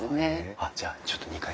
あっじゃあちょっと２階に。